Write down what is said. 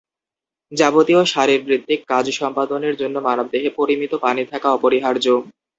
যাবতীয় শারীরবৃত্তিক কাজ সম্পাদনের জন্য মানবদেহে পরিমিত পানি থাকা অপরিহার্য।